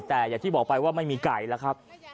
แต่อย่างที่บอกไปว่าไม่มีไก่แล้วครับ